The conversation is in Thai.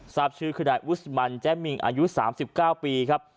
ทราบชื่อคือนายอุสมันแจ้มิงอายุ๓๙ปีครับ